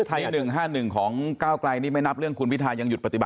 ไทย๑๕๒ของเก้ากลายนี่ไม่นำ